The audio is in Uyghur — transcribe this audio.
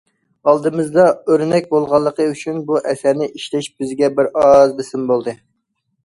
ئالدىمىزدا ئۆرنەك بولغانلىقى ئۈچۈن بۇ ئەسەرنى ئىشلەش بىزگە بىر ئاز بېسىم بولدى.